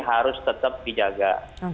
harus tetap dijaga